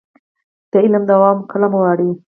د علم دوام قلم غواړي.